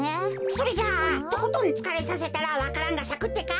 それじゃあとことんつかれさせたらわか蘭がさくってか？